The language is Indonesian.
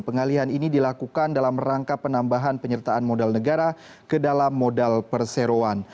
pengalihan ini dilakukan dalam rangka penambahan penyertaan modal negara ke dalam modal perseroan